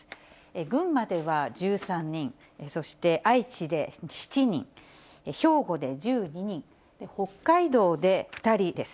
群馬では１３人、そして愛知で７人、兵庫で１２人、北海道で２人です。